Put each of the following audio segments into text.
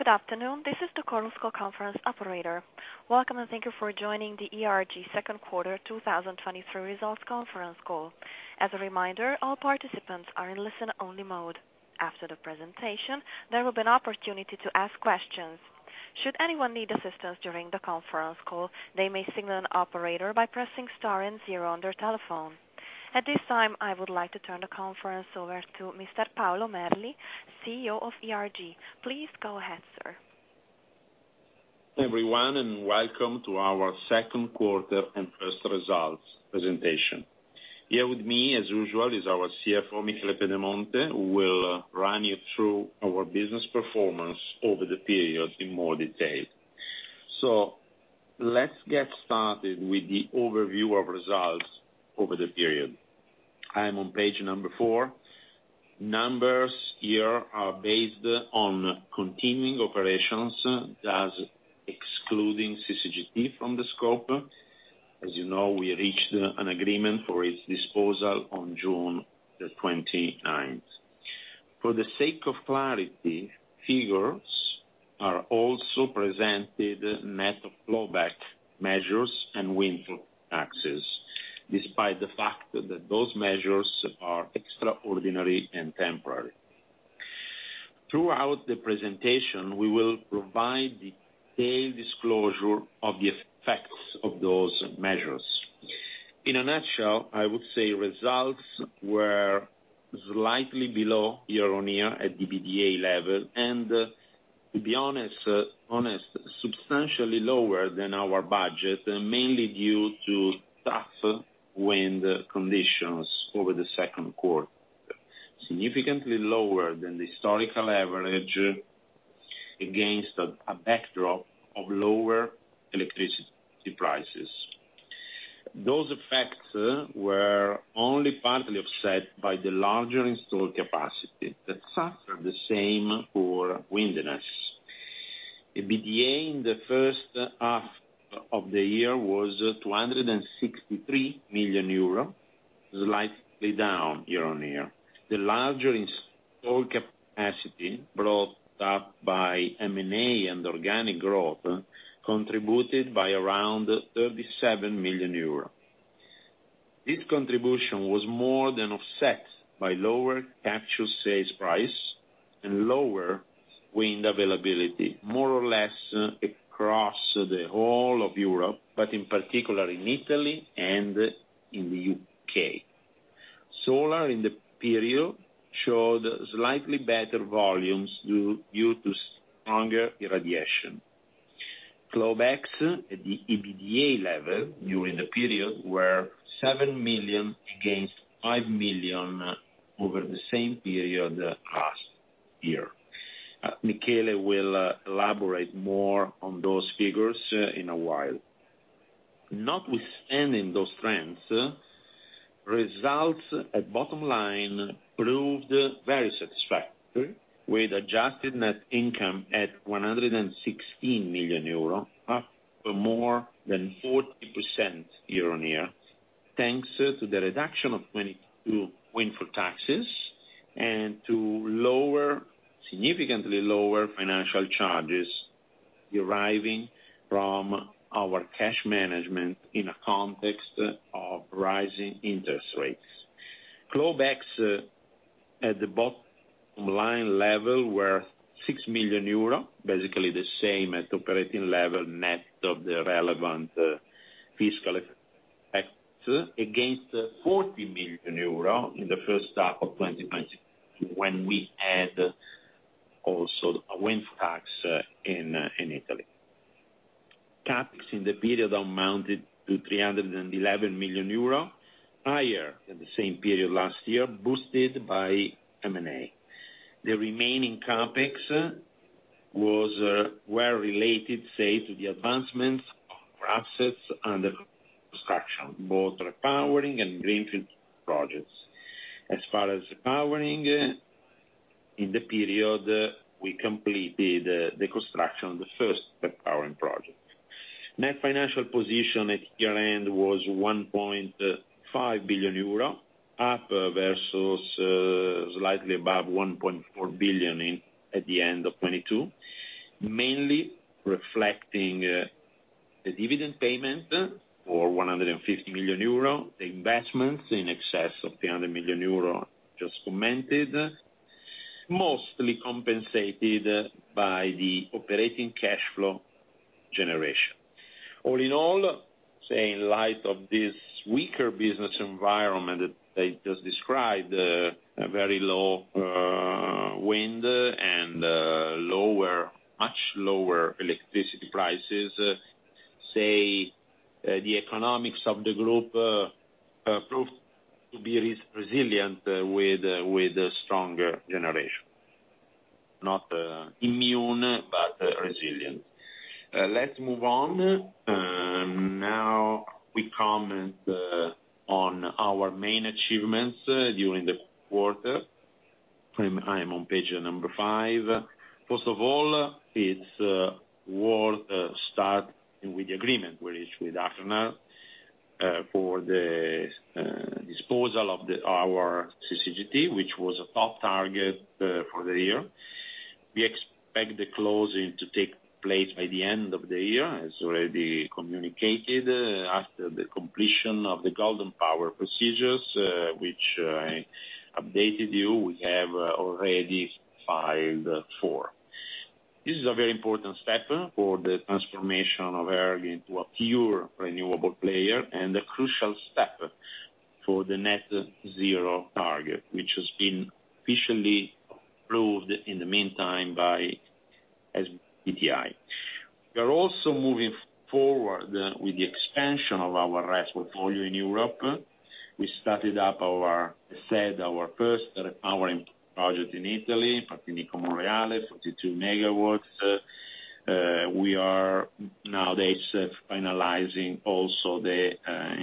Good afternoon, this is the Chorus Call Conference Operator. Welcome, and thank you for joining the ERG Q2 2023 results conference call. As a reminder, all participants are in listen-only mode. After the presentation, there will be an opportunity to ask questions. Should anyone need assistance during the conference call, they may signal an operator by pressing star and zero on their telephone. At this time, I would like to turn the conference over to Mr. Paolo Merli, CEO of ERG. Please go ahead, sir. Everyone. Welcome to our Q2 and first results presentation. Here with me, as usual, is our CFO, Michele Pedemonte, who will run you through our business performance over the period in more detail. Let's get started with the overview of results over the period. I am on page four. Numbers here are based on continuing operations, thus excluding CCGT from the scope. As you know, we reached an agreement for its disposal on June 29th. For the sake of clarity, figures are also presented net of clawback measures and windfall taxes, despite the fact that those measures are extraordinary and temporary. Throughout the presentation, we will provide detailed disclosure of the effects of those measures. In a nutshell, I would say results were slightly below year-on-year at the EBITDA level, to be honest, substantially lower than our budget, mainly due to tougher wind conditions over the Q2. Significantly lower than the historical average, against a backdrop of lower electricity prices. Those effects were only partly offset by the larger installed capacity, that suffered the same poor windiness. EBITDA in the H1 of the year was 263 million euro, slightly down year-on-year. The larger installed capacity, brought up by M&A and organic growth, contributed by around 37 million euros. This contribution was more than offset by lower actual sales price and lower wind availability, more or less across the whole of Europe, but in particular, in Italy and in the U.K.. Solar in the period showed slightly better volumes due to stronger irradiation. Clawback at the EBITDA level during the period were 7 million against 5 million over the same period last year. Michele will elaborate more on those figures in a while. Notwithstanding those trends, results at bottom line proved very satisfactory, with adjusted net income at 116 million euro, up for more than 40% year-on-year, thanks to the reduction of 22 windfall taxes and to lower, significantly lower financial charges deriving from our cash management in a context of rising interest rates. Flowbacks, at the bottom line level were 6 million euro, basically the same as operating level, net of the relevant fiscal effects, against 40 million euro in the H1 of 2022, when we had also a wind tax in Italy. CapEx in the period amounted to 311 million euro, higher than the same period last year, boosted by M&A. The remaining CapEx were related to the advancements of our assets under construction, both repowering and greenfield projects. As far as repowering, in the period, we completed the construction of the first repowering project. Net financial position at year-end was 1.5 billion euro, up versus slightly above 1.4 billion at the end of 2022, mainly reflecting the dividend payment for 150 million euro, the investments in excess of 300 million euro, just commented, mostly compensated by the operating cash flow generation. All in all, in light of this weaker business environment that I just described, a very low wind and lower, much lower electricity prices, the economics of the group proved to be resilient, with stronger generation. Not immune, but resilient. Let's move on. Now, we comment on our main achievements during the quarter. I'm on page number five. First of all, it's worth start with the agreement we reached with Achernar for the disposal of our CCGT, which was a top target for the year. We expect the closing to take place by the end of the year, as already communicated, after the completion of the Golden Power procedures, which I updated you, we have already filed for. This is a very important step for the transformation of ERG into a pure renewable player, and a crucial step for the Net Zero target, which has been officially approved in the meantime by SBTi. We are also moving forward with the expansion of our portfolio in Europe. We started up our first powering project in Italy, Partinico-Monreale, 42 MW. We are nowadays finalizing also the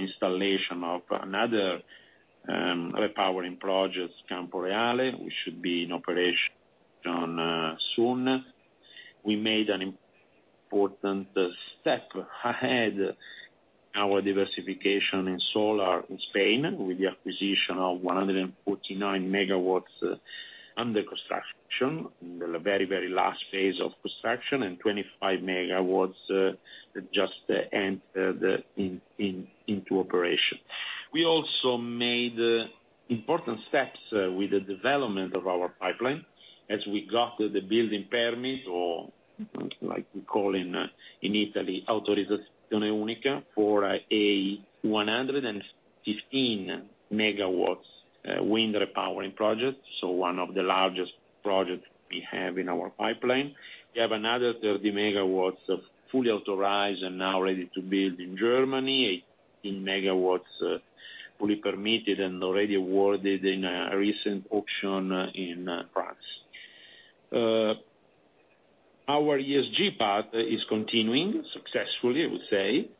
installation of another repowering project, Camporeale, which should be in operation soon. We made an important step ahead, our diversification in solar in Spain, with the acquisition of 149 MW under construction, in the very, very last phase of construction, and 25 MW just enter into operation. We also made important steps with the development of our pipeline, as we got the building permit, or like we call in, in Italy, Autorizzazione Unica, for a 115 MW wind repowering project, so one of the largest projects we have in our pipeline. We have another 30 MW of fully authorized and now ready to build in Germany, 18 MW fully permitted and already awarded in a recent auction in France. Our ESG path is continuing successfully, I would say,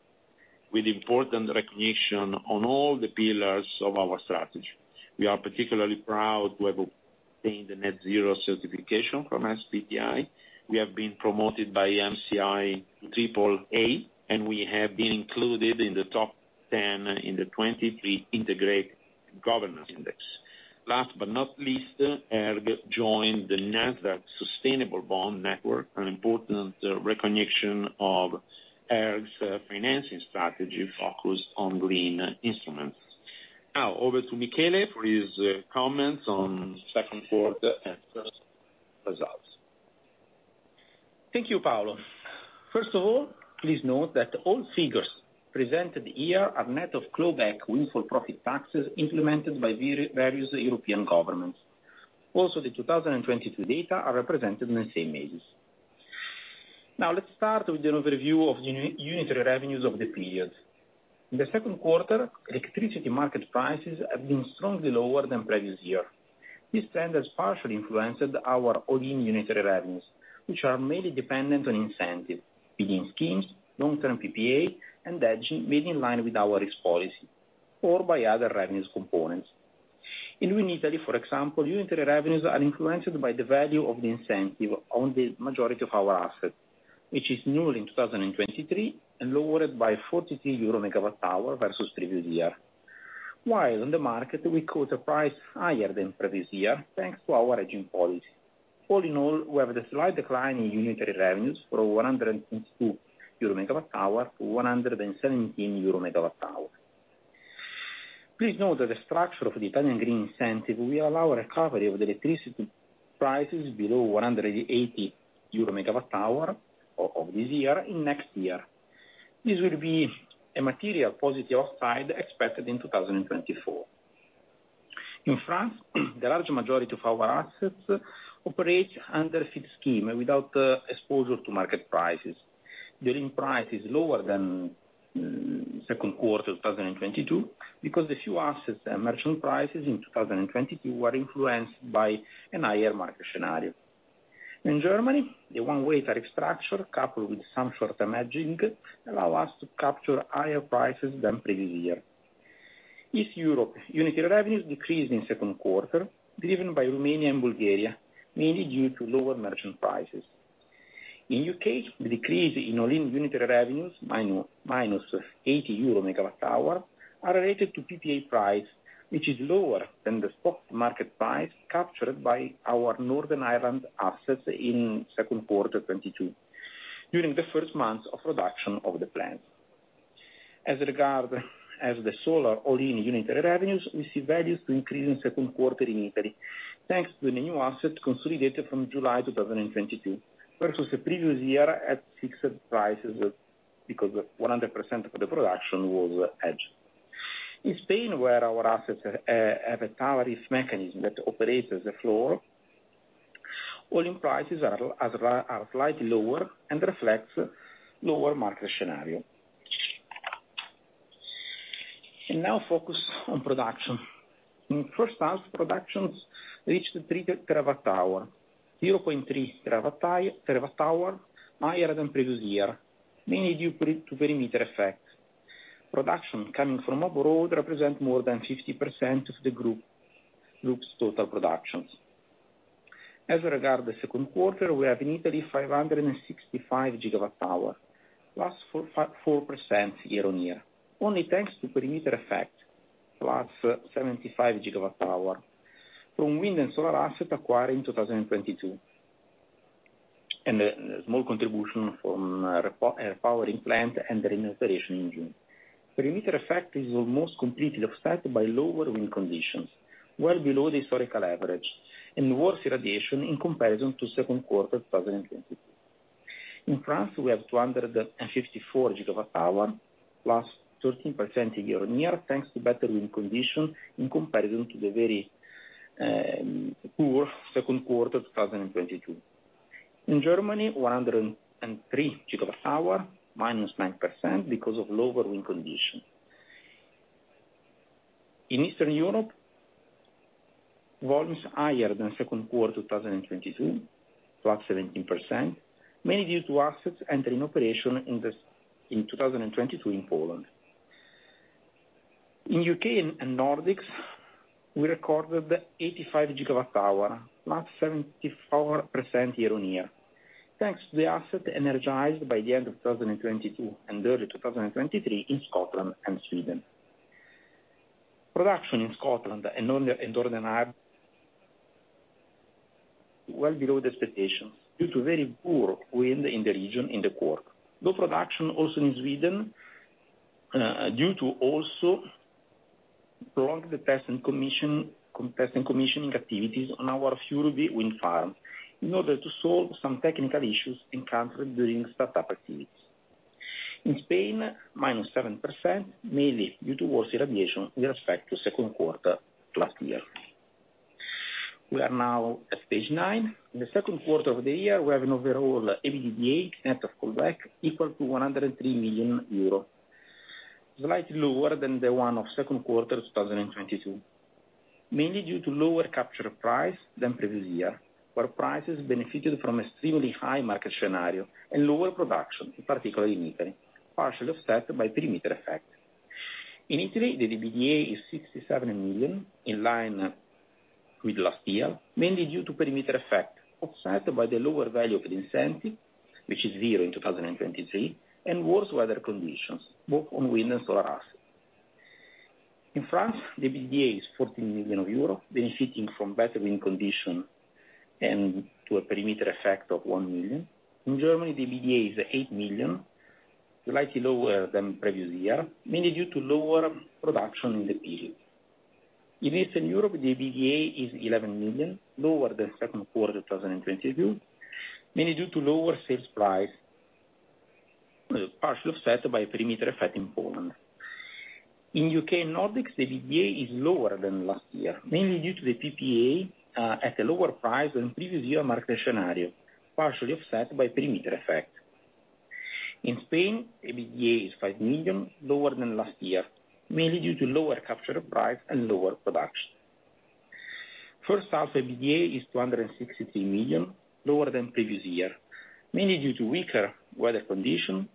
with important recognition on all the pillars of our strategy. We are particularly proud to have obtained the Net Zero certification from SBTi. We have been promoted by MSCI to triple A, we have been included in the top 10 in the 2023 Integrated Governance Index. Last but not least, ERG joined the NASDAQ Sustainable Bond Network, an important recognition of ERG's financing strategy focused on green instruments. Over to Michele for his comments on Q2 and first results. Thank you, Paolo. First of all, please note that all figures presented here are net of clawback windfall profit taxes implemented by various European governments. Also, the 2022 data are represented in the same pages. Now, let's start with an overview of unitary revenues of the period. In the Q2, electricity market prices have been strongly lower than previous year. This trend has partially influenced our all-in unitary revenues, which are mainly dependent on incentives, feed-in schemes, long-term PPA, and hedging made in line with our risk policy or by other revenues components. In Italy, for example, unitary revenues are influenced by the value of the incentive on the majority of our assets, which is null in 2023, and lowered by 42 euro per MWh versus previous year. While on the market, we quote a price higher than previous year, thanks to our hedging policy. All in all, we have a slight decline in unitary revenues from 102 euro MWh-EUR 117 MWh. Please note that the structure of the Italian green incentive will allow recovery of the electricity prices below 180 euro MWh of this year, in next year. This will be a material positive upside, expected in 2024. In France, the large majority of our assets operate under FIT scheme, without exposure to market prices. The green price is lower than Q2 2022, because the few assets and merchant prices in 2022 were influenced by an higher market scenario. In Germany, the one-way tariff structure, coupled with some short-term hedging, allow us to capture higher prices than previous year. East Europe, unitary revenues decreased in Q2, driven by Romania and Bulgaria, mainly due to lower merchant prices. In U.K., the decrease in all-in unitary revenues, minus, minus 80 euro MWh, are related to PPA price, which is lower than the stock market price captured by our Northern Ireland assets in Q2 2022, during the first months of production of the plant. As regard as the solar all-in unit revenues, we see values to increase in Q2 in Italy, thanks to the new assets consolidated from July 2022, versus the previous year at fixed prices, because 100% of the production was hedged. In Spain, where our assets have a tariff mechanism that operates as a floor, all-in prices are, are, are slightly lower and reflects lower market scenario. Now focus on production. In first half, productions reached 3 TWh, 0.3 TWh, higher than previous year, mainly due to perimeter effects. Production coming from abroad represent more than 50% of the group, group's total productions. As regard the Q2, we have in Italy, 565 GWh, +4, 5, 4% year-on-year, only thanks to perimeter effect, +75 GWh from wind and solar asset acquired in 2022. Then a small contribution from repowering plant and the renovation engine. Perimeter effect is almost completely offset by lower wind conditions, well below the historical average, and worse irradiation in comparison to Q2 2022. In France, we have 254 GWh, +13% year-on-year, thanks to better wind condition in comparison to the very poor Q2 2022. In Germany, 103 GWh, -9% because of lower wind condition. In Eastern Europe, volumes higher than Q2 2022, +17%, mainly due to assets entering operation in 2022 in Poland. In U.K. and Nordics, we recorded 85 GWh, +74% year-on-year, thanks to the asset energized by the end of 2022 and early 2023 in Scotland and Sweden. Production in Scotland and Northern Ireland, well below the expectations, due to very poor wind in the region in the quarter. Low production also in Sweden, due to also prolong the test and commission, test and commissioning activities on our Furuby wind farm, in order to solve some technical issues encountered during startup activities. In Spain, -7%, mainly due to worse irradiation with respect to Q2 last year. We are now at page nine. In the Q2 of the year, we have an overall EBITDA net of clawback, equal to 103 million euros. Slightly lower than the one of Q2 2022, mainly due to lower capture price than previous year, where prices benefited from extremely high market scenario and lower production, in particular in Italy, partially offset by perimeter effect. In Italy, the EBITDA is 67 million, in line with last year, mainly due to perimeter effect, offset by the lower value of the incentive, which is zero in 2023, and worse weather conditions, both on wind and solar asset. In France, the EBITDA is 14 million euro, benefiting from better wind condition and to a perimeter effect of 1 million. In Germany, the EBITDA is 8 million, slightly lower than previous year, mainly due to lower production in the period. In Eastern Europe, the EBITDA is 11 million, lower than Q2 2022, mainly due to lower sales price, partially offset by perimeter effect in Poland. In U.K. and Nordics, the EBITDA is lower than last year, mainly due to the PPA, at a lower price than previous year market scenario, partially offset by perimeter effect. In Spain, EBITDA is 5 million, lower than last year, mainly due to lower capture price and lower production. H1 EBITDA is 263 million, lower than previous year, mainly due to weaker weather conditions,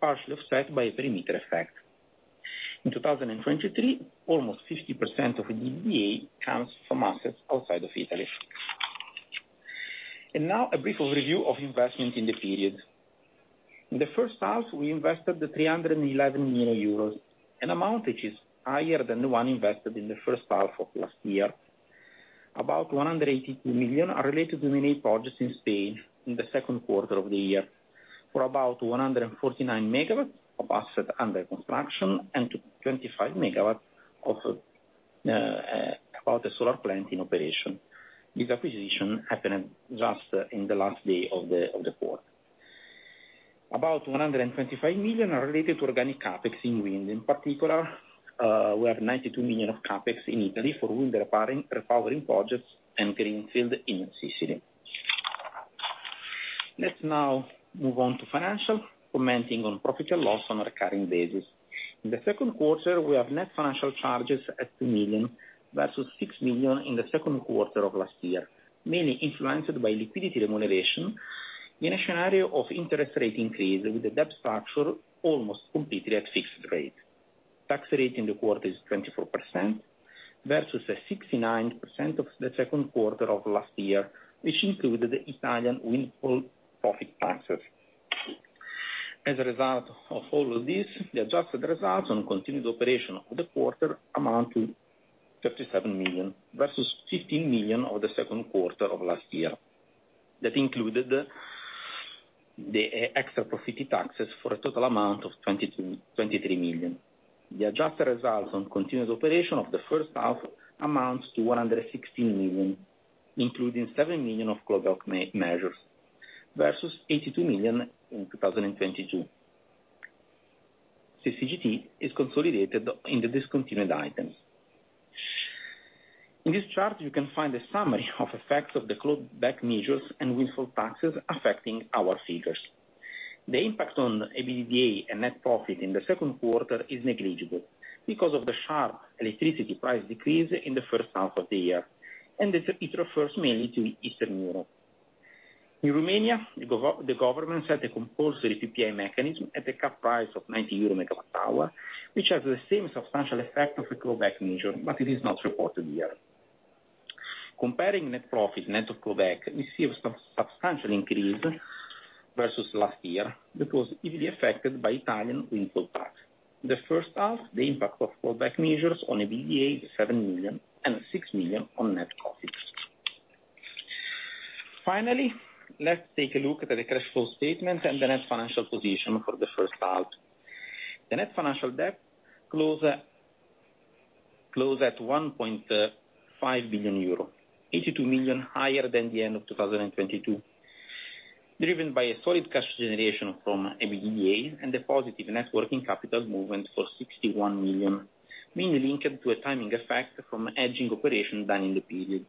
partially offset by a perimeter effect. In 2023, almost 50% of EBITDA comes from assets outside of Italy. Now, a brief overview of investment in the period. In the H1, we invested 311 million euros, an amount which is higher than the one invested in the H1 of last year. About 182 million are related to many projects in Spain in the Q2 of the year, for about 149 MW of asset under construction and to 25 MW of about the solar plant in operation. This acquisition happened just in the last day of the, of the quarter. About $125 million are related to organic CapEx in wind. In particular, we have $92 million of CapEx in Italy for wind repairing, repowering projects and greenfield in Sicily. Let's now move on to financial, commenting on profit and loss on a recurring basis. In the Q2, we have net financial charges at $2 million, versus $6 million in the Q2 of last year, mainly influenced by liquidity remuneration, in a scenario of interest rate increase, with the debt structure almost completely at fixed rate. Tax rate in the quarter is 24%, versus a 69% of the Q2 of last year, which included the Italian windfall profit taxes. As a result of all of this, the adjusted results on continued operation of the quarter amount to 37 million, versus 15 million of the Q2 of last year. That included the extra-profit taxes for a total amount of 22 million-23 million. The adjusted results on continuous operation of the first half amounts to 116 million, including 7 million of global measures, versus 82 million in 2022. CCGT is consolidated in the discontinued items. In this chart, you can find a summary of effects of the clawback measures and windfall taxes affecting our figures. The impact on EBITDA and net profit in the Q2 is negligible, because of the sharp electricity price decrease in the H1, and it refers mainly to Eastern Europe. In Romania, the government set a compulsory PPA mechanism at the cap price of 90 euro MWh which has the same substantial effect of a clawback measure, it is not reported here. Comparing net profit, net of clawback, we see a substantial increase versus last year because it is affected by Italian wind power. The H1, the impact of clawback measures on EBITDA is 7 million and 6 million on net profits. Finally, let's take a look at the cash flow statement and the net financial position for the H1. The net financial debt close at 1.5 billion euro, 82 million higher than the end of 2022, driven by a solid cash generation from EBITDA and a positive net working capital movement for 61 million, mainly linked to a timing effect from hedging operation done in the period.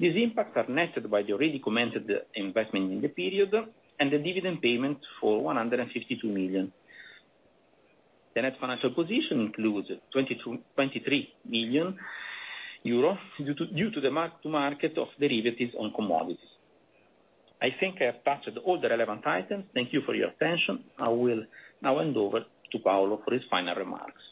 These impacts are netted by the already commented investment in the period and the dividend payment for 152 million. The net financial position includes 22 million-23 million euro, due to the mark to market of derivatives on commodities. I think I have touched all the relevant items. Thank you for your attention. I will now hand over to Paolo for his final remarks.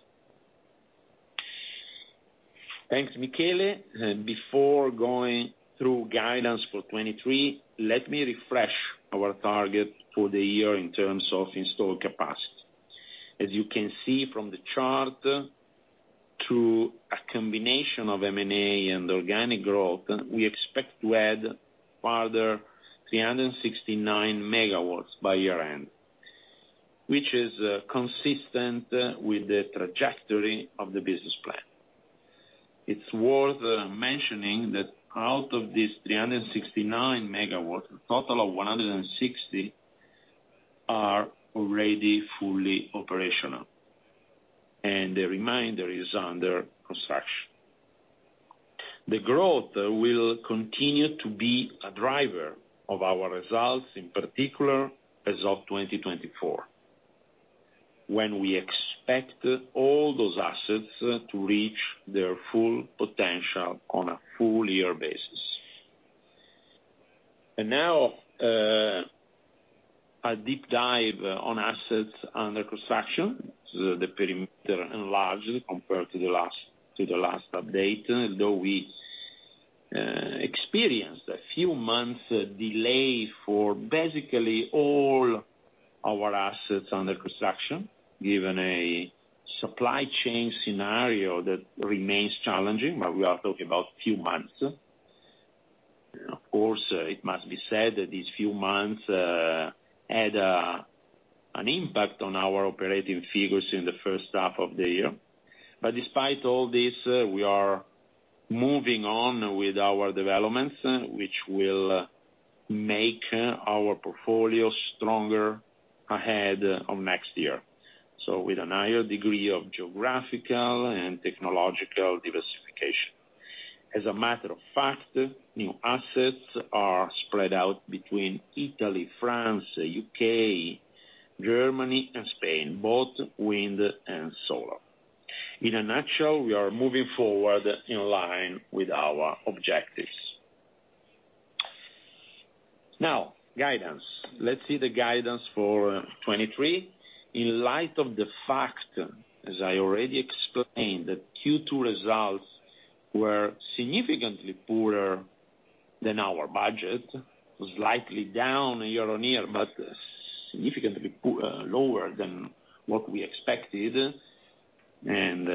Thanks, Michele. Before going through guidance for 2023, let me refresh our target for the year in terms of installed capacity. As you can see from the chart, through a combination of M&A and organic growth, we expect to add further 369 MW by year-end, which is consistent with the trajectory of the business plan. It's worth mentioning that out of these 369 MW, a total of 160 are already fully operational, and the remainder is under construction. The growth will continue to be a driver of our results, in particular, as of 2024, when we expect all those assets to reach their full potential on a full year basis. Now, a deep dive on assets under construction, the perimeter enlarged compared to the last update, though we experienced a few months delay for basically all our assets under construction, given a supply chain scenario that remains challenging. We are talking about a few months. Of course, it must be said that these few months had an impact on our operating figures in the H1. Despite all this, we are moving on with our developments, which will make our portfolio stronger ahead of next year, so with a higher degree of geographical and technological diversification. A matter of fact, new assets are spread out between Italy, France, U.K., Germany, and Spain, both wind and solar. In a nutshell, we are moving forward in line with our objectives. Guidance. Let's see the guidance for 2023. In light of the fact, as I already explained, that Q2 results were significantly poorer than our budget, was likely down year-over-year, but significantly lower than what we expected, and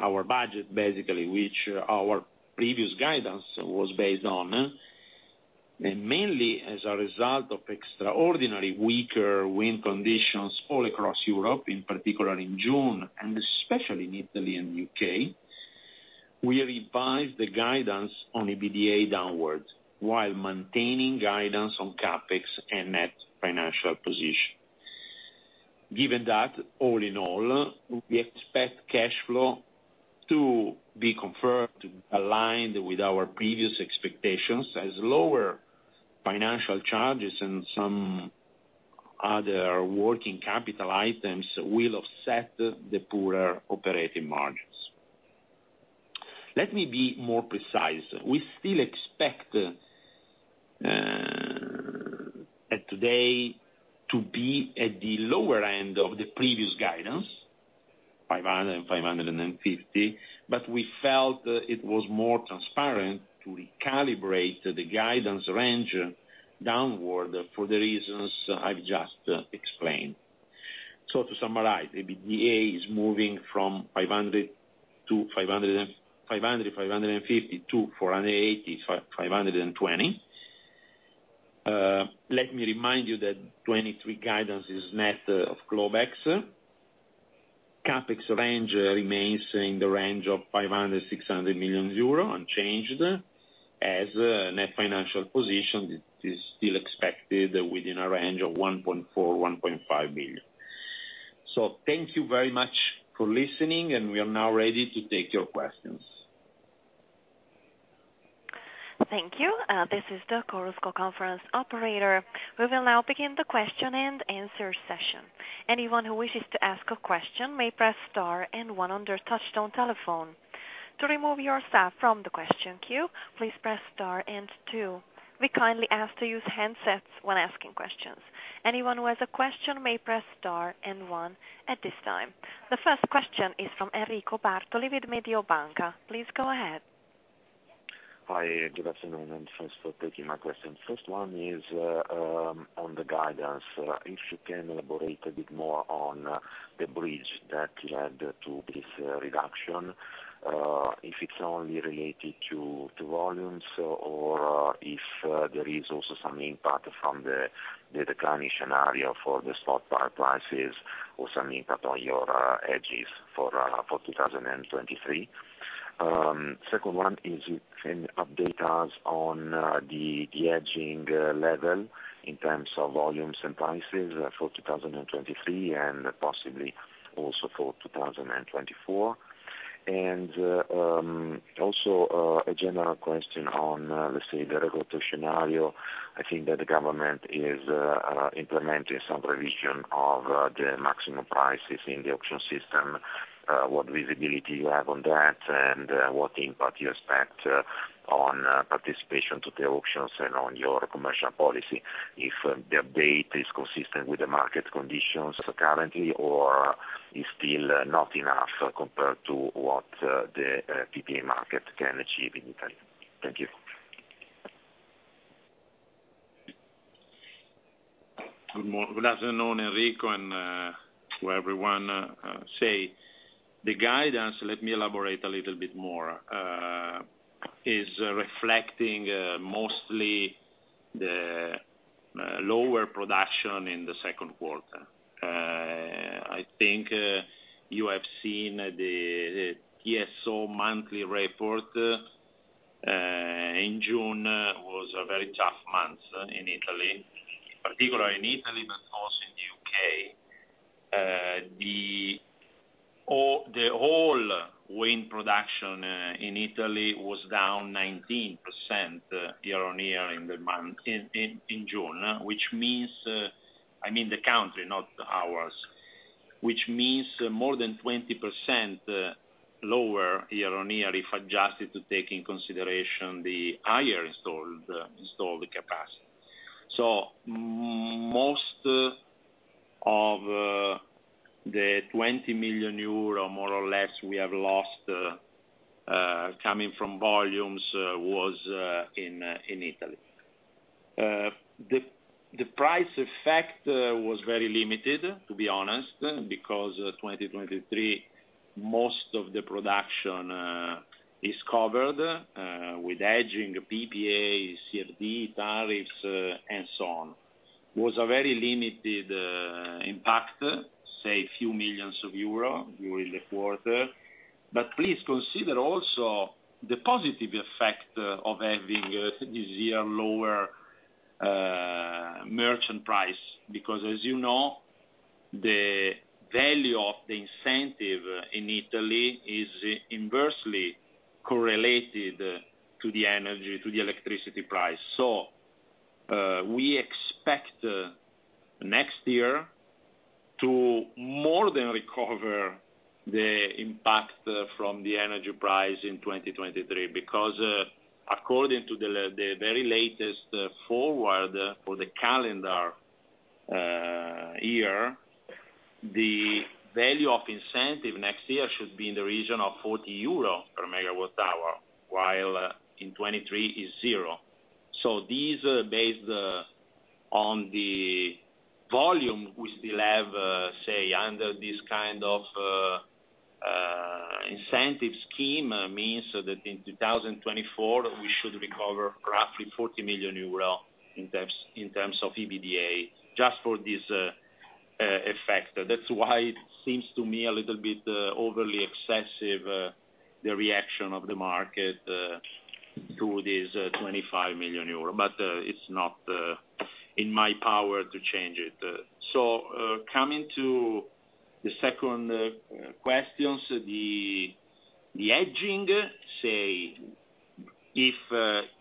our budget, basically, which our previous guidance was based on. Mainly as a result of extraordinary weaker wind conditions all across Europe, in particular in June, and especially in Italy and U.K., we revised the guidance on EBITDA downwards, while maintaining guidance on CapEx and net financial position. Given that, all in all, we expect cash flow to be confirmed, aligned with our previous expectations, as lower financial charges and some other working capital items will offset the poorer operating margins. Let me be more precise. We still expect, at today, to be at the lower end of the previous guidance, 500 million-550 million, but we felt it was more transparent to recalibrate the guidance range downward for the reasons I've just explained. To summarize, EBITDA is moving from 500 million-550 million to 485 million-520 million. Let me remind you that 2023 guidance is net of clawbacks. CapEx range remains in the range of 500-600 million euro, unchanged, as, net financial position is still expected within a range of 1.4 billion-1.5 billion. Thank you very much for listening, and we are now ready to take your questions. Thank you. This is the Chorus Call Conference operator. We will now begin the question and answer session. Anyone who wishes to ask a question may press star and one on their touchtone telephone. To remove yourself from the question queue, please press star and two. We kindly ask to use handsets when asking questions. Anyone who has a question may press star and one at this time. The first question is from Enrico Bartoli with Mediobanca. Please go ahead. Hi, good afternoon, and thanks for taking my question. First one is on the guidance. If you can elaborate a bit more on the bridge that led to this reduction, if it's only related to volumes or if there is also some impact from the declining scenario for the spot power prices or some impact on your hedges for 2023? Second one is if you can update us on the hedging level in terms of volumes and prices for 2023, and possibly also for 2024? Also a general question on, let's say, the regulatory scenario? I think that the government is implementing some revision of the maximum prices in the auction system, what visibility you have on that, and what impact you expect on participation to the auctions and on your commercial policy, if the update is consistent with the market conditions currently, or is still not enough compared to what the PPA market can achieve in Italy? Thank you. Good afternoon, Enrico, and to everyone. Say, the guidance, let me elaborate a little bit more, is reflecting mostly the lower production in the Q2. I think you have seen the TSO monthly report, in June was a very tough month in Italy, particularly in Italy, but also in the U.K.. The whole wind production in Italy was down 19% year-on-year in the month, in June, which means, I mean the country, not ours, which means more than 20% lower year-on-year, if adjusted to take in consideration the higher installed installed capacity. Most of the 20 million euro, more or less, we have lost, coming from volumes, was in Italy. The, the price effect was very limited, to be honest, because 2023, most of the production is covered with hedging, PPAs, CFD, tariffs, and so on. Was a very limited impact, say a few millions EUR during the quarter. But please consider also the positive effect of having this year lower merchant price, because as you know, the value of the incentive in Italy is inversely correlated to the energy, to the electricity price. We expect next year to more than recover the impact from the energy price in 2023, because according to the very latest forward for the calendar year, the value of incentive next year should be in the region of 40 euro MWh, while in 2023, it's zero. These are based on the volume we still have under this kind of incentive scheme, means that in 2024, we should recover roughly 40 million euro in terms, in terms of EBITDA, just for this effect. That's why it seems to me a little bit overly excessive the reaction of the market to this 25 million euro, but it's not in my power to change it. Coming to the second questions, the hedging, say, if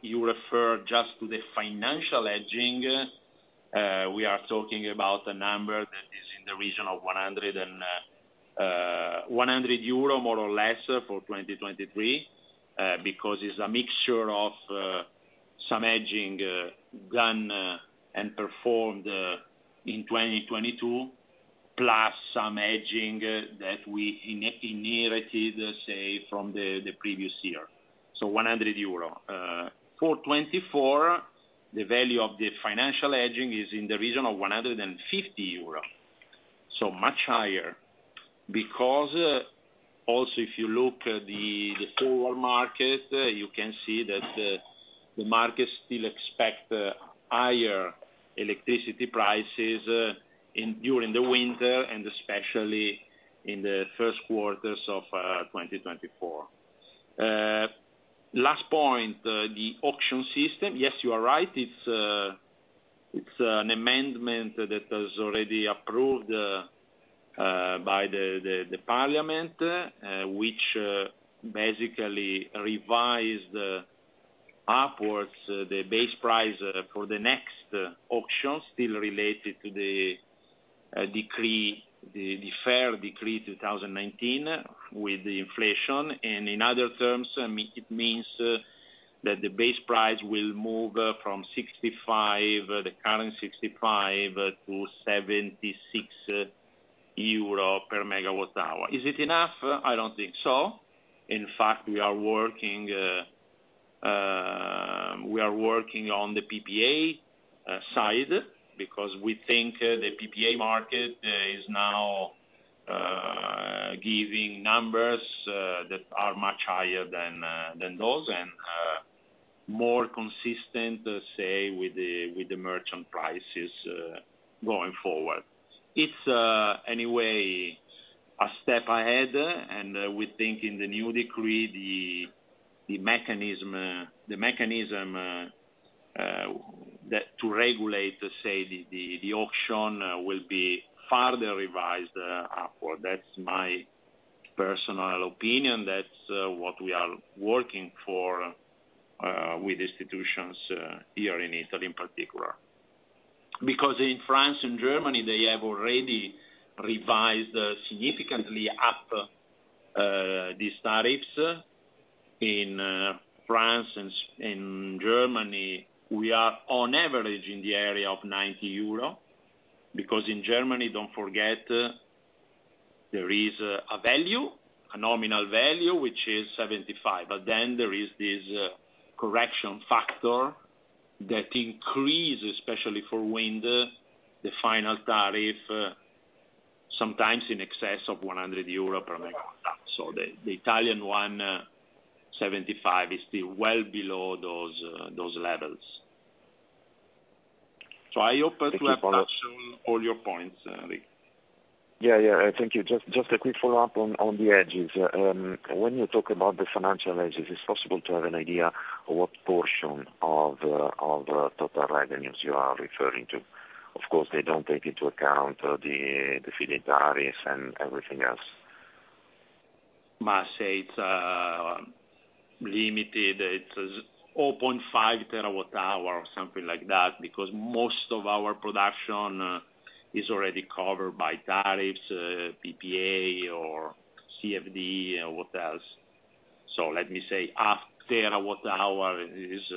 you refer just to the financial hedging, we are talking about a number that is in the region of 100 euro, more or less, for 2023, because it's a mixture of some hedging done and performed in 2022, plus some hedging that we inherited, say, from the previous year. 100 euro. For 2024, the value of the financial hedging is in the region of 150 euros. Much higher because also, if you look at the forward market, you can see that the markets still expect higher electricity prices during the winter, and especially in the Q1 of 2024. Last point, the auction system, yes, you are right, it's an amendment that was already approved by the parliament, which basically revised upwards the base price for the next auction, still related to the FER Decree 2019, with the inflation, and in other terms, it means that the base price will move from 65, the current 65-76 euro per MWh. Is it enough? I don't think so. In fact, we are working, we are working on the PPA side, because we think the PPA market is now giving numbers that are much higher than than those, and more consistent, say, with the with the merchant prices going forward. It's anyway, a step ahead, and we think in the new decree, the mechanism that to regulate, to say the auction, will be farther revised upward. That's my personal opinion. That's what we are working for with institutions here in Italy in particular. Because in France and Germany, they have already revised significantly up these tariffs. In France and in Germany, we are on average in the area of 90 euro, because in Germany, don't forget, there is a value, a nominal value, which is 75, but then there is this correction factor that increases, especially for wind, the final tariff, sometimes in excess of 100 euro per megawatt. So the Italian one, 75, is still well below those, those levels. I hope to have touched all, all your points, Enrico. Yeah, yeah, thank you. Just, just a quick follow-up on, on the hedges. When you talk about the financial hedges, is it possible to have an idea of what portion of total revenues you are referring to? Of course, they don't take into account the, the feed-in tariffs and everything else. Must say it's limited. It's all 0.5 TWh or something like that, because most of our production is already covered by tariffs, PPA or CFD, what else? Let me say, 0.5 TWh is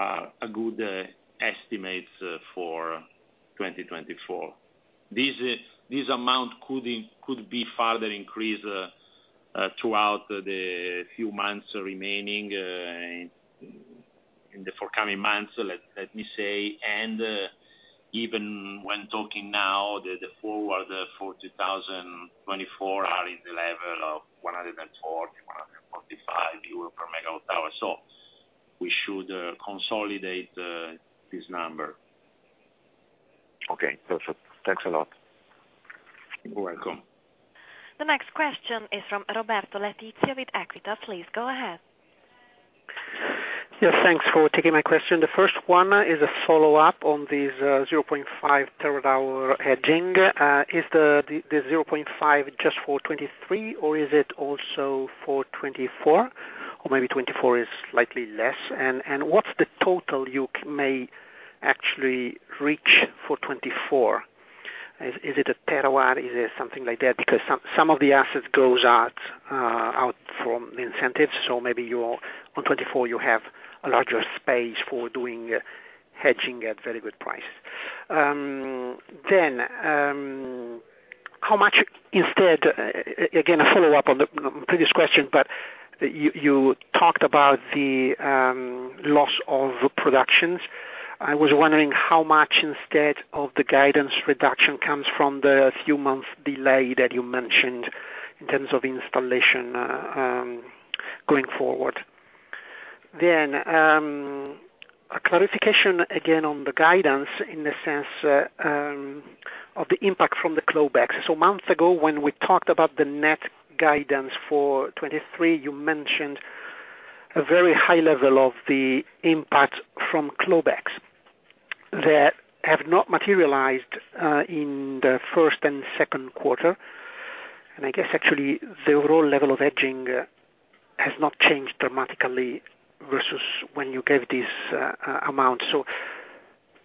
a good estimate for 2024. This amount could be further increased throughout the few months remaining in the forthcoming months, let me say, and even when talking now, the forward for 2024 are in the level of 140- 145 euro MWh. We should consolidate this number. Okay, perfect. Thanks a lot. You're welcome. The next question is from Roberto Letizia with Equita. Please go ahead. Yes, thanks for taking my question. The first one is a follow-up on this 0.5 TWh hedging. Is the 0.5 just for 2023, or is it also for 2024? Or maybe 2024 is slightly less. What's the total you may actually reach for 2024? Is it 1 TWh? Is it something like that? Because some of the assets goes out from the incentives, so maybe you're, on 2024, you have a larger space for doing hedging at very good price. How much instead? Again, a follow-up on the previous question, but you talked about the loss of productions. I was wondering how much instead of the guidance reduction comes from the few months delay that you mentioned in terms of installation going forward? A clarification again on the guidance in the sense of the impact from the clawbacks. Months ago, when we talked about the net guidance for 2023, you mentioned a very high level of the impact from clawbacks that have not materialized in the first and Q2, and I guess actually the overall level of hedging has not changed dramatically versus when you gave this amount.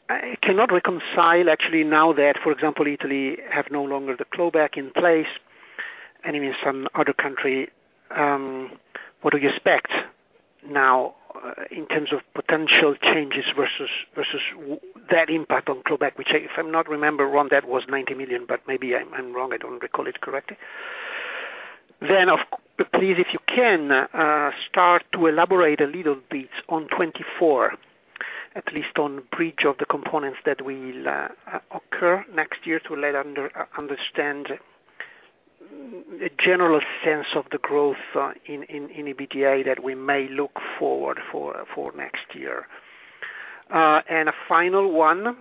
I cannot reconcile actually, now that, for example, Italy have no longer the clawback in place, and even some other country, what do you expect now in terms of potential changes versus that impact on clawback, which if I'm not remember wrong, that was 90 million, but maybe I'm wrong, I don't recall it correctly. Please, if you can, start to elaborate a little bit on 24, at least on bridge of the components that will occur next year to let understand the general sense of the growth in, in, in EBITDA that we may look forward for, for next year. And a final one,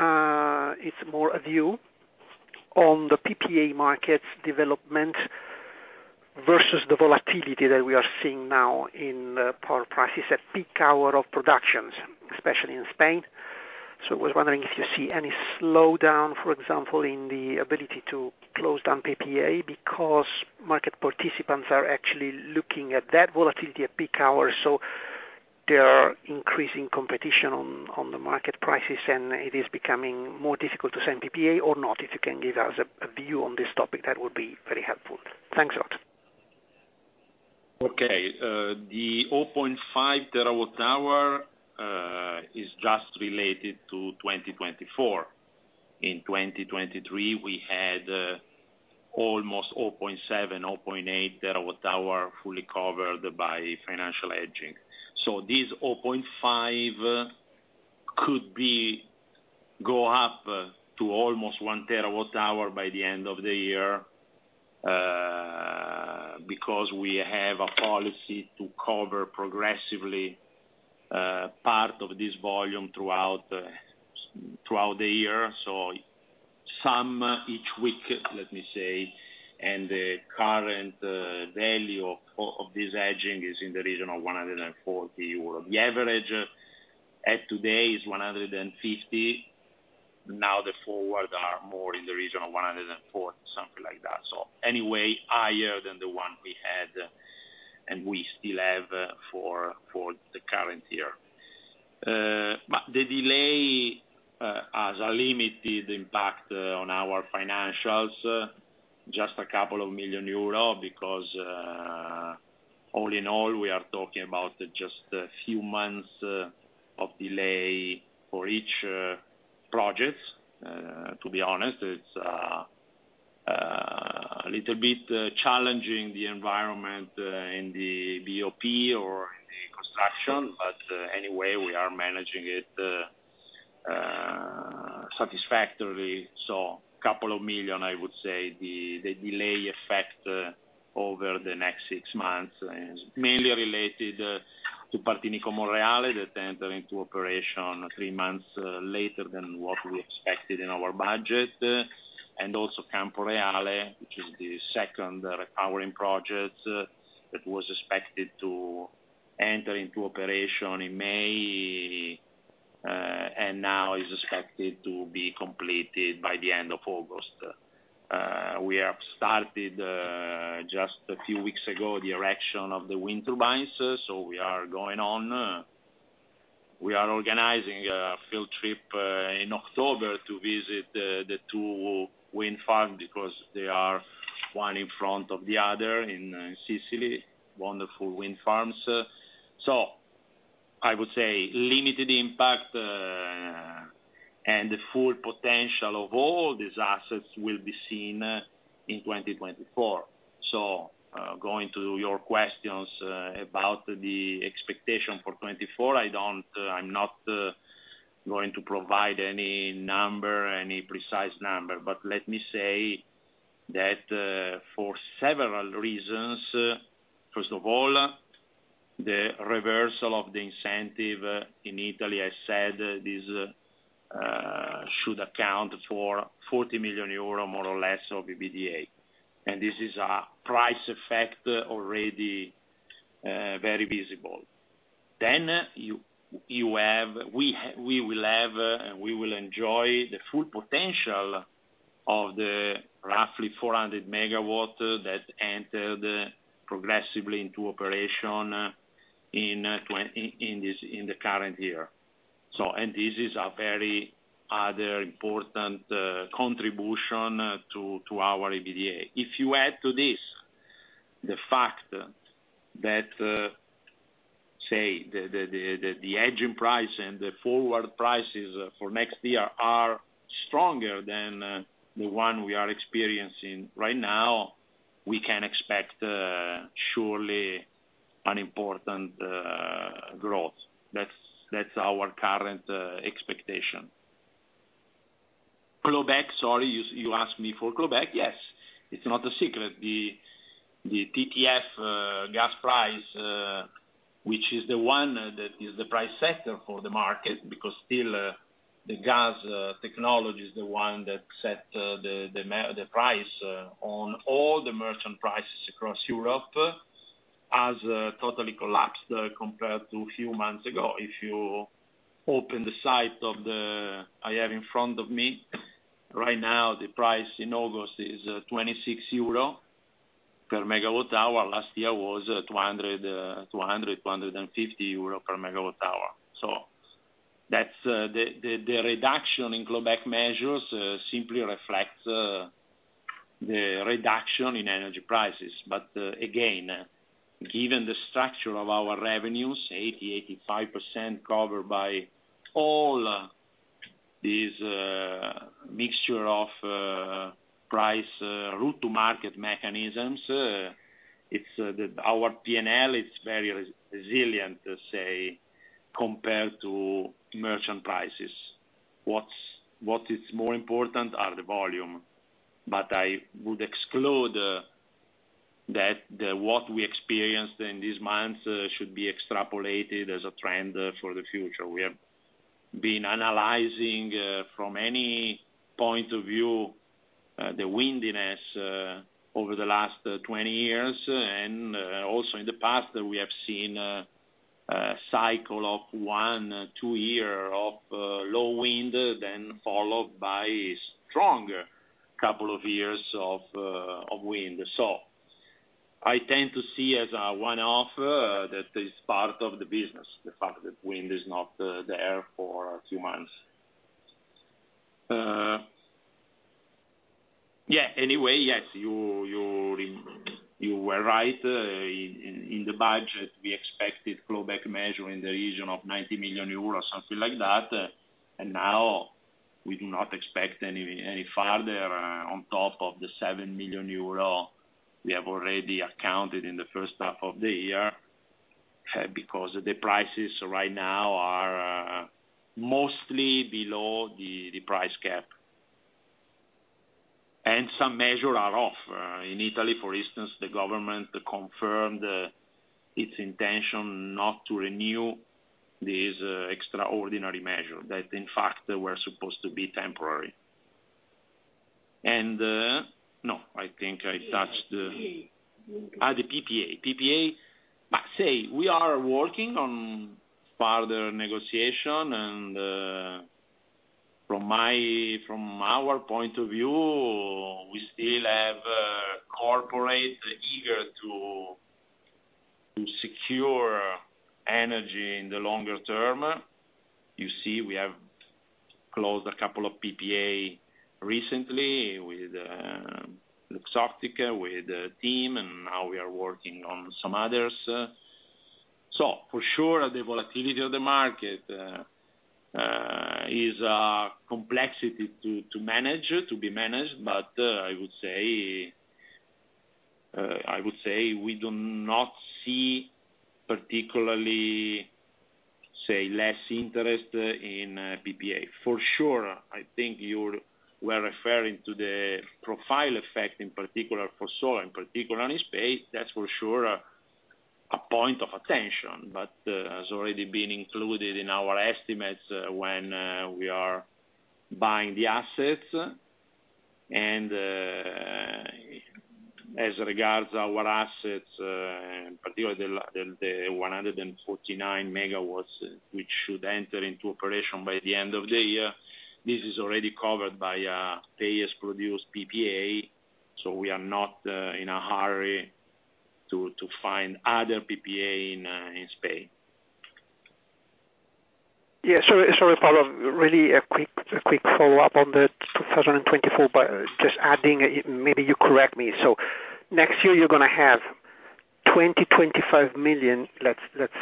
it's more a view on the PPA market development versus the volatility that we are seeing now in power prices at peak hour of productions, especially in Spain. I was wondering if you see any slowdown, for example, in the ability to close down PPA, because market participants are actually looking at that volatility at peak hours, so there are increasing competition on, on the market prices, and it is becoming more difficult to sign PPA or not? If you can give us a view on this topic, that would be very helpful. Thanks a lot. Okay, the 0.5 TWh is just related to 2024. In 2023, we had almost 0.7-0.8 TWh fully covered by financial hedging. This 0.5 could be go up to almost 1 TWh by the end of the year because we have a policy to cover progressively part of this volume throughout throughout the year. Some each week, let me say, and the current value of this hedging is in the region of 140 euro. The average at today is 150, now the forward are more in the region of 104, something like that. Anyway, higher than the one we had, and we still have for the current year. The delay has a limited impact on our financials, just 2 million euro, because all in all, we are talking about just a few months of delay for each projects. To be honest, it's a little bit challenging the environment in the BOP or in the construction, but anyway, we are managing it satisfactorily. Couple of million, I would say, the delay effect over the next 6 months, and mainly related to Partinico-Monreale, that enter into operation 3 months later than what we expected in our budget. Also Camporeale, which is the second powering project that was expected to enter into operation in May, and now is expected to be completed by the end of August. We have started just a few weeks ago, the erection of the wind turbines, so we are going on. We are organizing a field trip in October to visit the two wind farm, because they are one in front of the other in Sicily, wonderful wind farms. I would say limited impact, and the full potential of all these assets will be seen in 2024. Going to your questions about the expectation for 2024, I'm not going to provide any number, any precise number, but let me say that for several reasons, first of all, the reversal of the incentive in Italy, I said, this should account for 40 million euro, more or less, of EBITDA, and this is a price effect already very visible. We will have, we will enjoy the full potential of the roughly 400 MW that entered progressively into operation in the current year. This is a very other important contribution to our EBITDA. If you add to this, the fact that, say, the hedging price and the forward prices for next year are stronger than the one we are experiencing right now, we can expect surely an important growth. That's, that's our current expectation. Clawbacks, sorry, you asked me for clawbacks. Yes, it's not a secret. The, the TTF gas price, which is the one that is the price setter for the market, because still, the gas technology is the one that set, the, the price, on all the merchant prices across Europe, has totally collapsed, compared to a few months ago. If you open the site of the... I have in front of me, right now, the price in August is 26 euro per megawatt hour. Last year was 250 euro per megawatt hour. That's, the, the, the reduction in clawbacks measures, simply reflects, the reduction in energy prices. Again, given the structure of our revenues, 80%-85% covered by all these mixture of price route to market mechanisms, it's the, our PNL is very resilient, to say, compared to merchant prices. What is more important are the volume. I would exclude that the, what we experienced in these months should be extrapolated as a trend for the future. We have been analyzing from any point of view... the windiness over the last 20 years, and also in the past, we have seen a cycle of one, two year of low wind, then followed by stronger couple of years of wind. I tend to see as a one-off, that is part of the business, the fact that wind is not there for a few months. You, you, you were right, in, in the budget, we expected clawback measure in the region of 90 million euros, something like that. Now we do not expect any further on top of the 7 million euro we have already accounted in the H1, because the prices right now are mostly below the price cap. Some measure are off, in Italy, for instance, the government confirmed its intention not to renew these extraordinary measure, that in fact, they were supposed to be temporary. I think I touched the- PPA. The PPA. PPA, I say, we are working on further negotiation. From my, from our point of view, we still have corporate eager to secure energy in the longer term. You see, we have closed a couple of PPA recently with EssilorLuxottica, with TIM, and now we are working on some others. For sure, the volatility of the market is a complexity to manage, to be managed, but I would say, I would say we do not see particularly, say, less interest in PPA. For sure, I think you were referring to the profile effect, in particular for solar, in particular in Spain. That's for sure, a point of attention, but has already been included in our estimates when we are buying the assets. As regards our assets, particularly the 149 MW, which should enter into operation by the end of the year, this is already covered by pay-as-produced PPA, so we are not in a hurry to find other PPA in Spain. Yeah. Sorry, sorry, Paolo, really a quick, a quick follow-up on the 2024. Just adding, maybe you correct me. Next year, you're gonna have 20-25 million, let's, let's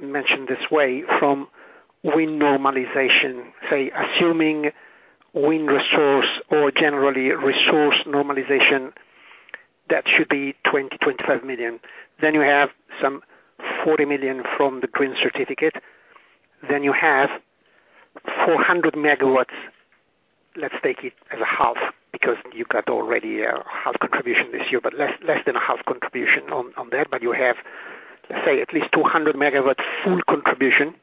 mention this way, from wind normalization. Say, assuming wind resource or generally resource normalization, that should be 20 million-25 million. You have some 40 million from the Green Certificate. You have 400 MW, let's take it as a half, because you got already a half contribution this year, but less than half contribution on, on that. You have, let's say, at least 200MW full contribution,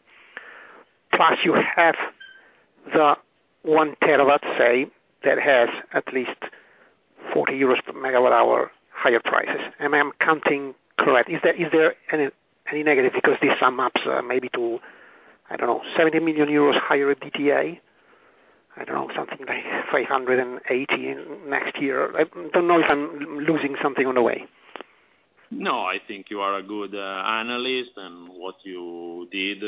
plus you have the 1 TWh, say, that has at least 40 euros per megawatt hour higher prices. Am I counting correct? Is there any negative? This sum up maybe to, I don't know, 70 million euros higher EBITDA. I don't know, something like 580 next year. I don't know if I'm losing something on the way. No, I think you are a good, analyst, and what you did,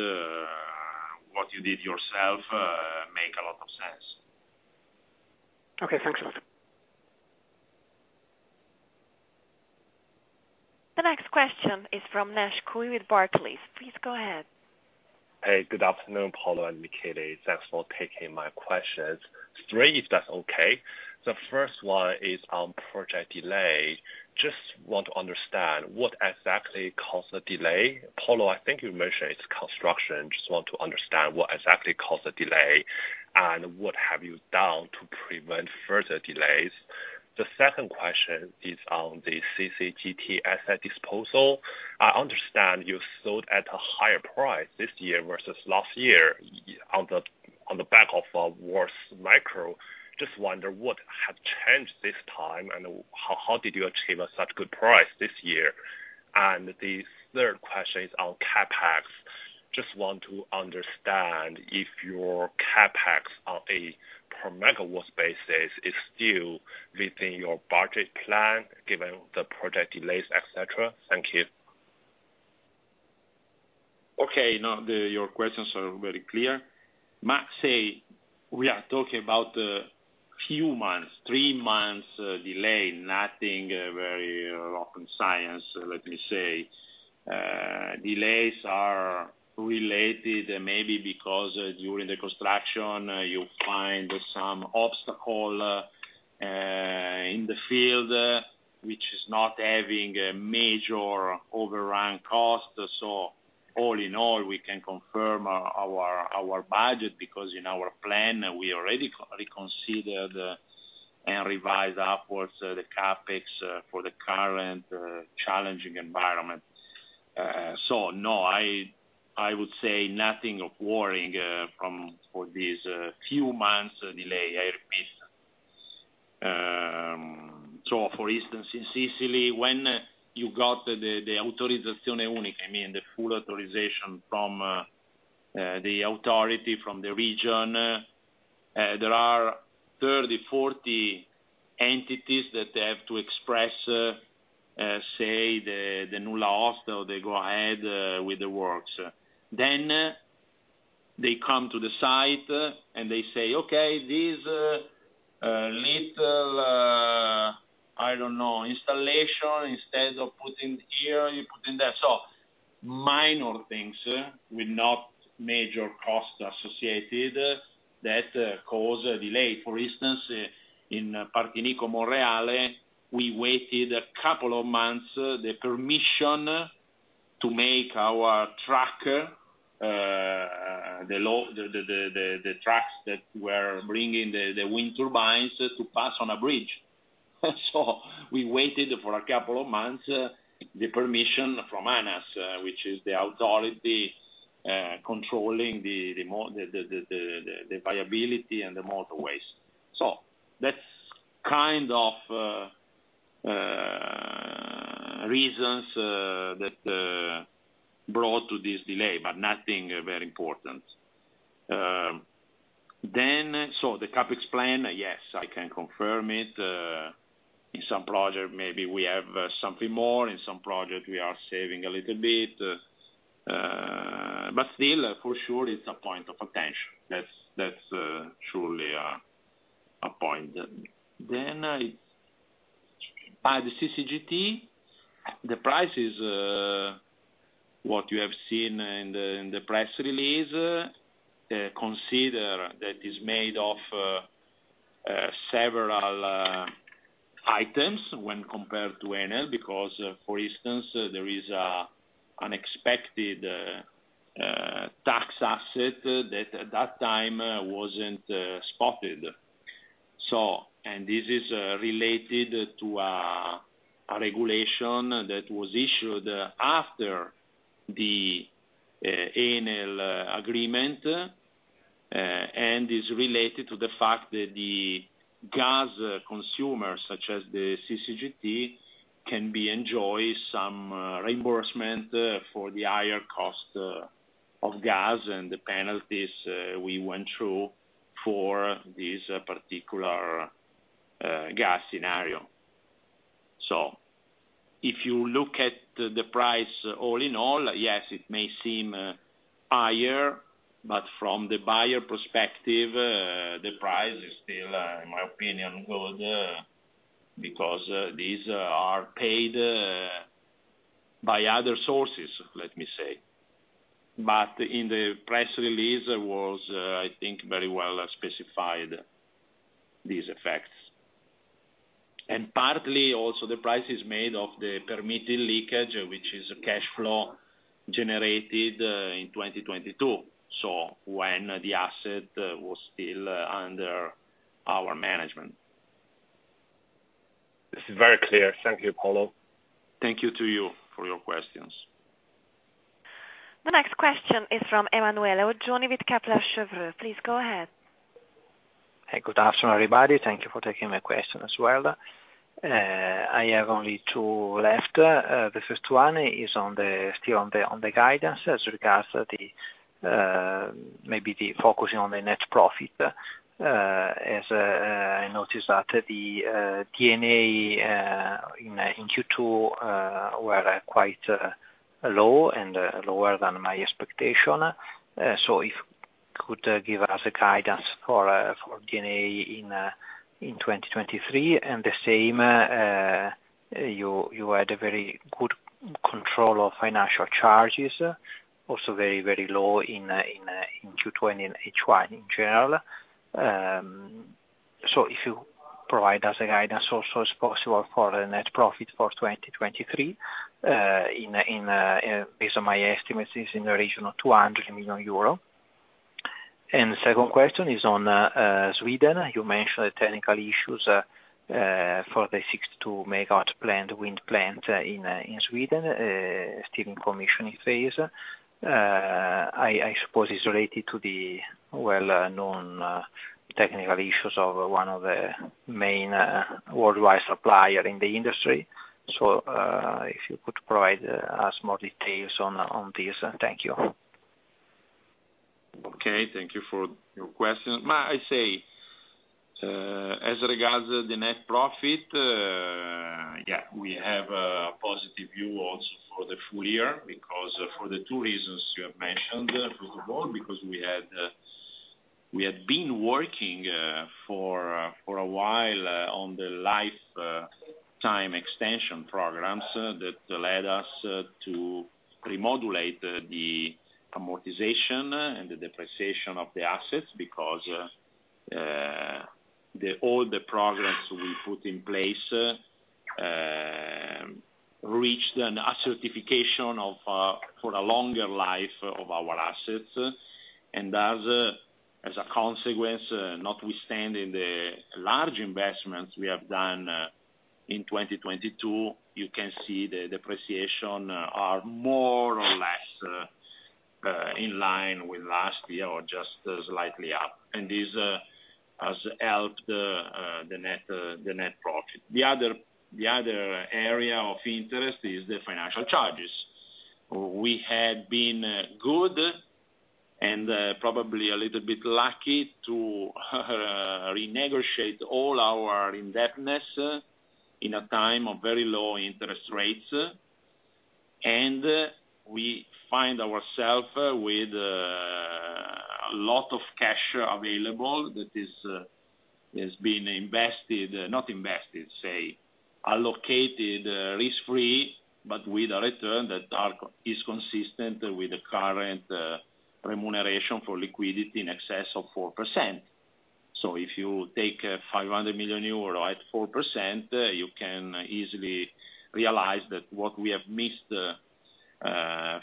what you did yourself, make a lot of sense. Okay, thanks a lot. The next question is from Naisheng Cui with Barclays. Please go ahead. Hey, good afternoon, Paolo and Michele. Thanks for taking my questions. 3, if that's okay. First one is on project delay. Just want to understand, what exactly caused the delay? Paolo, I think you mentioned it's construction. Just want to understand what exactly caused the delay, and what have you done to prevent further delays. Second question is on the CCGT asset disposal. I understand you sold at a higher price this year versus last year on the, on the back of a worse micro. Just wonder what have changed this time, and how, how did you achieve such good price this year? Third question is on CapEx. Just want to understand if your CapEx on a per megawatt basis is still within your budget plan, given the project delays, et cetera. Thank you. Okay, now, the, your questions are very clear. Max, say we are talking about a few months, three months, delay, nothing, very rocket science, let me say. Delays are related, maybe because during the construction, you find some obstacle in the field, which is not having a major overrun cost. All in all, we can confirm our, our, our budget, because in our plan, we already reconsidered and revised upwards the CapEx for the current challenging environment. No, I, I would say nothing of worrying from, for these few months delay, I repeat. So for instance, in Sicily, when you got the, the authorization, the full authorization from the authority from the region, there are 30, 40 entities that they have to express, the new law, or they go ahead with the works. Then, they come to the site, and they say, "Okay, this little installation, instead of putting here, you put in there." Minor things, with not major costs associated, that cause a delay. For instance, in Partinico-Monreale, we waited 2 months, the permission to make our tracker, the, the, the, the trucks that were bringing the, the wind turbines to pass on a bridge. We waited for a couple of months, the permission from ANAS, which is the authority controlling the viability and the motorways. That's kind of reasons that brought to this delay, but nothing very important. The CapEx plan, yes, I can confirm it. In some project, maybe we have something more, in some project we are saving a little bit, but still, for sure, it's a point of attention. That's, that's truly a point. By the CCGT, the price is what you have seen in the press release, consider that is made of several items when compared to Enel, because, for instance, there is a unexpected tax asset that, at that time, wasn't spotted. This is related to a regulation that was issued after the Enel agreement, and is related to the fact that the gas consumers, such as the CCGT, can enjoy some reimbursement for the higher cost of gas and the penalties we went through for this particular gas scenario. If you look at the price all in all, yes, it may seem higher, but from the buyer perspective, the price is still, in my opinion, good, because these are paid by other sources, let me say. In the press release, was, I think, very well specified, these effects. Partly, also, the price is made of the permitted leakage, which is cash flow generated in 2022, so when the asset was still under our management. This is very clear. Thank you, Paolo. Thank you to you for your questions. The next question is from Emanuele Oggioni with Kepler Cheuvreux. Please go ahead. Hey, good afternoon, everybody. Thank you for taking my question as well. I have only two left. The first one is on the, still on the, on the guidance as regards to the, maybe the focusing on the net profit. As I noticed that the D&A in Q2 were quite low and lower than my expectation. If could give us a guidance for D&A in 2023, and the same, you, you had a very good control of financial charges, also very, very low in Q2 and H1 in general. If you provide us a guidance also as possible for the net profit for 2023, in, in, based on my estimates, is in the region of 200 million euro. The second question is on Sweden. You mentioned the technical issues for the 62 MW plant, wind plant in Sweden, still in commissioning phase. I suppose it's related to the well-known technical issues of one of the main worldwide supplier in the industry. If you could provide us more details on this. Thank you. Okay, thank you for your question. May I say, as regards to the net profit, yeah, we have a positive view also for the full year, because for the 2 reasons you have mentioned. First of all, because we had, we had been working for a while on the life time extension programs that led us to remodulate the amortization and the depreciation of the assets, because the, all the programs we put in place, reached a certification for a longer life of our assets. As a consequence, notwithstanding the large investments we have done in 2022, you can see the depreciation are more or less in line with last year or just slightly up, and this has helped the net profit. The other area of interest is the financial charges. We had been good and probably a little bit lucky to renegotiate all our indebtedness in a time of very low interest rates. We find ourself with a lot of cash available that is has been invested, not invested, say, allocated risk-free, but with a return that is consistent with the current remuneration for liquidity in excess of 4%. If you take 500 million euro at 4%, you can easily realize that what we have missed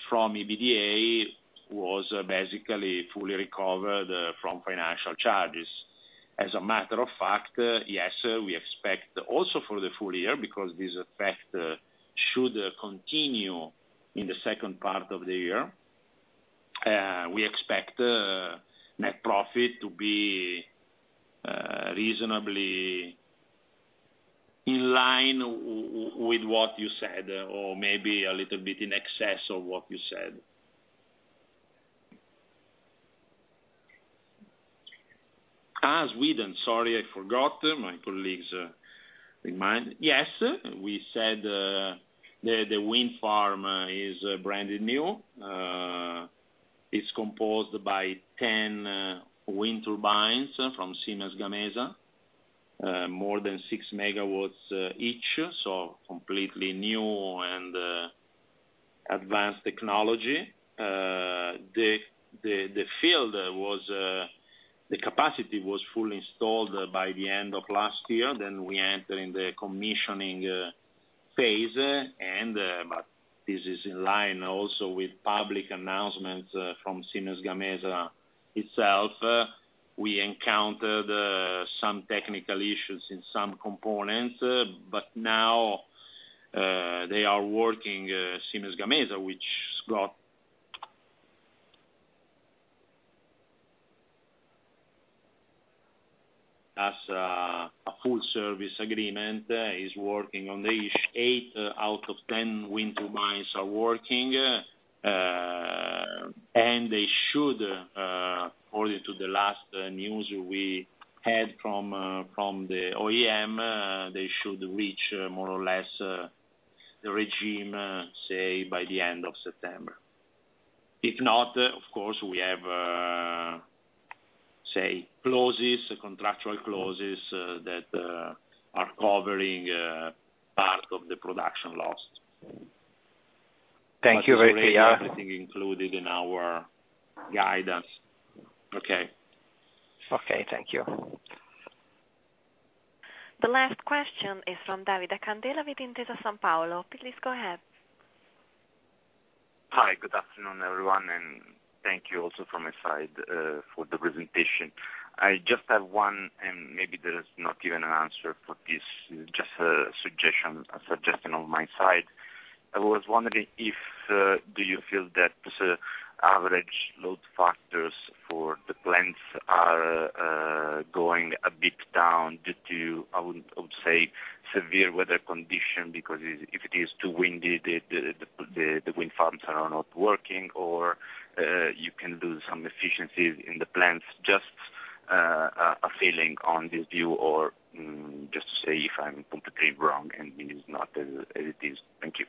from EBITDA was basically fully recovered from financial charges. As a matter of fact, yes, we expect also for the full year, because this effect should continue in the second part of the year. We expect net profit to be reasonably in line w-w-with what you said, or maybe a little bit in excess of what you said. Sweden, sorry, I forgot. My colleagues remind. Yes, we said, the wind farm is branded new. It's composed by 10 wind turbines from Siemens Gamesa, more than 6 MW each, so completely new and advanced technology. The, the, the field was, the capacity was fully installed by the end of last year, then we enter in the commissioning phase, and but this is in line also with public announcements from Siemens Gamesa itself. We encountered some technical issues in some components, but now, they are working, Siemens Gamesa, which got... As a full service agreement, is working on each. 8 out of 10 wind turbines are working, and they should, according to the last news we had from the OEM, they should reach more or less the regime, say, by the end of September. If not, of course, we have, say, clauses, contractual clauses, that are covering part of the production loss. Thank you very much. Everything included in our guidance. Okay. Okay, thank you. The last question is from Davide Candela with Intesa Sanpaolo. Please go ahead. Hi, good afternoon, everyone, and thank you also from my side, for the presentation. I just have one, and maybe there is not even an answer for this, just a suggestion, a suggestion on my side. I was wondering if, do you feel that the average load factors for the plants are going a bit down due to, I would, I would say, severe weather condition? Because if, if it is too windy, the, the, the, the wind farms are not working, or, you can lose some efficiencies in the plants. Just, a feeling on this view, or, just say if I'm completely wrong and it is not as, as it is. Thank you.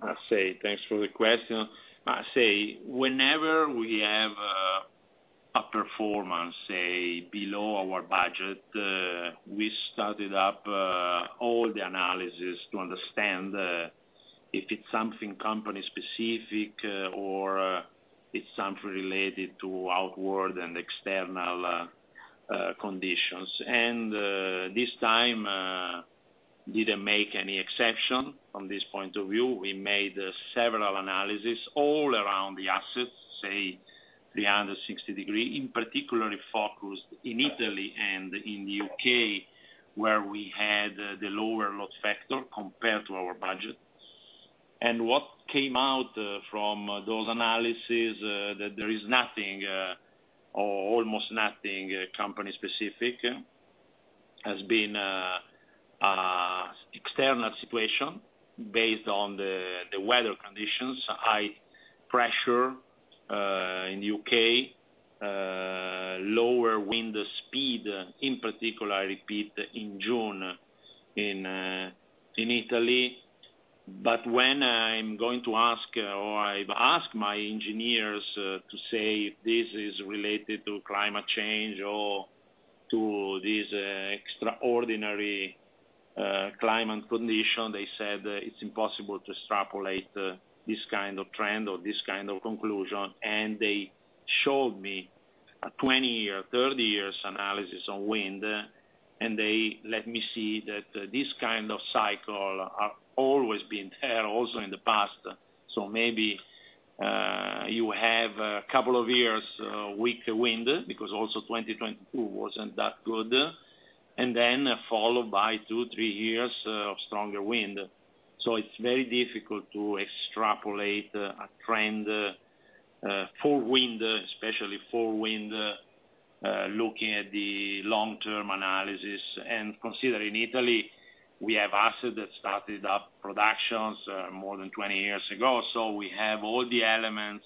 I'll say thanks for the question. I say, whenever we have a performance, say, below our budget, we started up all the analysis to understand if it's something company specific, or it's something related to outward and external conditions. This time didn't make any exception from this point of view. We made several analysis all around the assets, say, 360 degree, in particularly focused in Italy and in the U.K., where we had the lower load factor compared to our budget. What came out from those analysis that there is nothing or almost nothing company specific, has been external situation based on the, the weather conditions, high pressure in U.K., lower wind speed, in particular, I repeat, in June, in Italy. When I'm going to ask, or I've asked my engineers, to say this is related to climate change or to this, extraordinary, climate condition, they said, it's impossible to extrapolate, this kind of trend or this kind of conclusion, and they showed me a 20-year, 30 years analysis on wind, and they let me see that this kind of cycle are always been there, also in the past. Maybe, you have a couple of years, weak wind, because also 2022 wasn't that good, and then followed by 2-3 years, of stronger wind. It's very difficult to extrapolate, a trend, for wind, especially for wind, looking at the long-term analysis. Considering Italy, we have assets that started up productions, more than 20 years ago. We have all the elements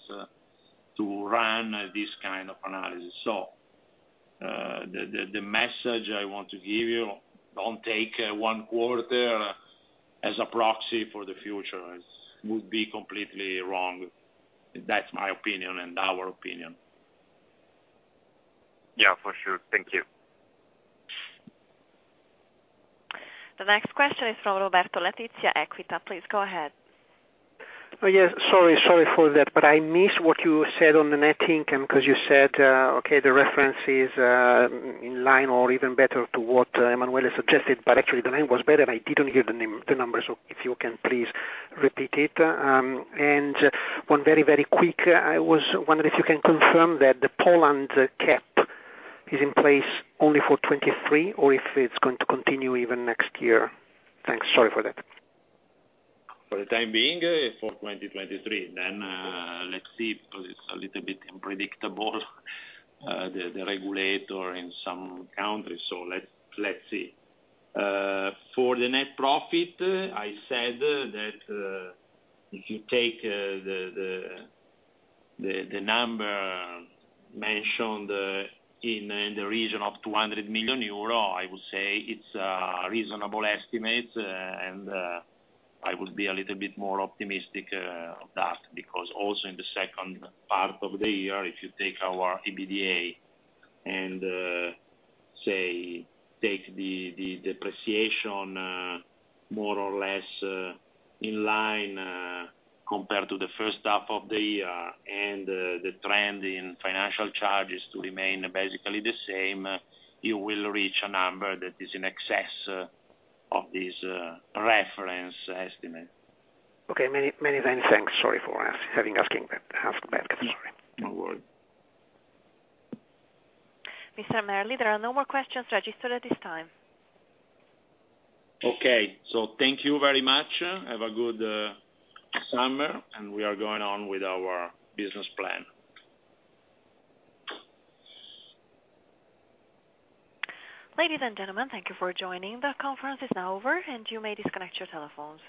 to run this kind of analysis. The message I want to give you, don't take 1 quarter as a proxy for the future, it would be completely wrong. That's my opinion and our opinion. Yeah, for sure. Thank you. The next question is from Roberto Letizia, Equita. Please go ahead. Oh, yes, sorry, sorry for that, but I missed what you said on the net income, because you said, okay, the reference is in line or even better to what Emanuele has suggested, but actually the line was better, and I didn't hear the numbers. If you can, please repeat it. One very, very quick, I was wondering if you can confirm that the Poland cap is in place only for 23, or if it's going to continue even next year? Thanks. Sorry for that. For the time being, it's for 2023. Let's see, because it's a little bit unpredictable, the regulator in some countries, so let's see. For the net profit, I said that if you take the number mentioned in the region of 200 million euro, I would say it's a reasonable estimate, and I would be a little bit more optimistic of that. Because also in the second part of the year, if you take our EBITDA, and say, take the depreciation more or less in line compared to the H1, and the trend in financial charges to remain basically the same, you will reach a number that is in excess of this reference estimate. Okay, many, many thanks. Sorry for having asking that, ask back. Sorry. No worry. Mr. Merli, there are no more questions registered at this time. Okay, thank you very much. Have a good summer, and we are going on with our business plan. Ladies and gentlemen, thank you for joining. The conference is now over. You may disconnect your telephones.